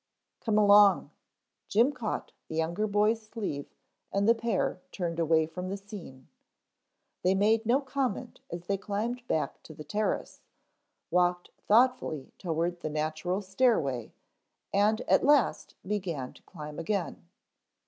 "Come along," Jim caught the younger boy's sleeve and the pair turned away from the scene. They made no comment as they climbed back to the terrace, walked thoughtfully toward the natural stairway, and at last began to climb again.